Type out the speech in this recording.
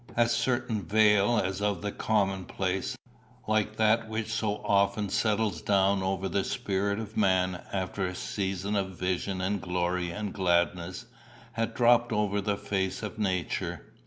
A certain veil as of the commonplace, like that which so often settles down over the spirit of man after a season of vision and glory and gladness, had dropped over the face of Nature.